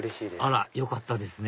あらよかったですね